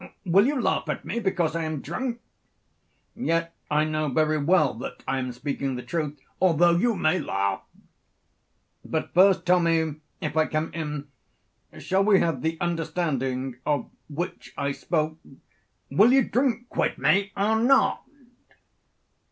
Will you laugh at me because I am drunk? Yet I know very well that I am speaking the truth, although you may laugh. But first tell me; if I come in shall we have the understanding of which I spoke (supra Will you have a very drunken man? etc.)? Will you drink with me or not?'